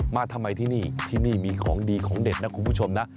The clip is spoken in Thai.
มาทำไมที่นี่ที่นี่มีของดีของเด็ดนะคุณผู้ชมนะ